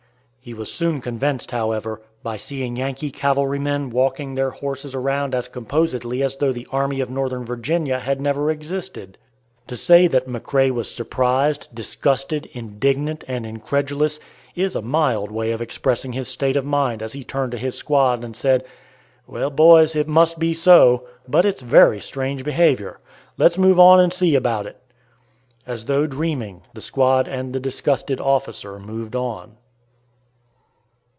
He was soon convinced, however, by seeing Yankee cavalrymen walking their horses around as composedly as though the Army of Northern Virginia had never existed. To say that McRae was surprised, disgusted, indignant, and incredulous, is a mild way of expressing his state of mind as he turned to his squad and said, "Well, boys, it must be so, but it's very strange behavior. Let's move on and see about it." As though dreaming, the squad and the disgusted officer moved on.